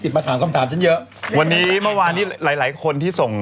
มาถามคำถามฉันเยอะวันนี้เมื่อวานนี้หลายหลายคนที่ส่ง